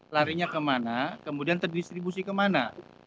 larinya kemana kemudian terdistribusi kemana